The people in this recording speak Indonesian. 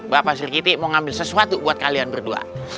bapak silkiti mau ngambil sesuatu buat kalian berdua